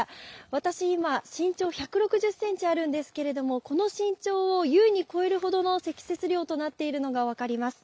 私、今、身長１６０センチあるんですけれども、この身長をゆうに超えるほどの積雪量となっているのが分かります。